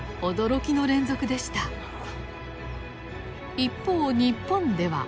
一方日本では。